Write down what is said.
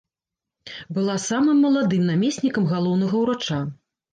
Была самым маладым намеснікам галоўнага ўрача.